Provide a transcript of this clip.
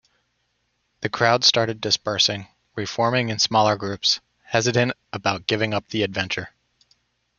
The crowd started dispersing, re-forming in smaller groups, hesitant about giving up the adventure.